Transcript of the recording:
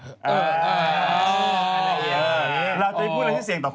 หลวงไปพูดแล้วใช่เสียงต่อกุ๊ก